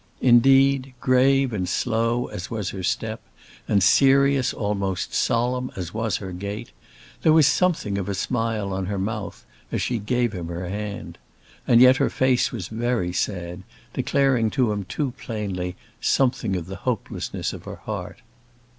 Indeed, grave and slow as was her step, and serious, almost solemn, as was her gait, there was something of a smile on her mouth as she gave him her hand. And yet her face was very sad, declaring to him too plainly something of the hopelessness of her heart.